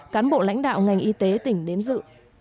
cán bộ lãnh đạo ngành y tế tỉnh đến dự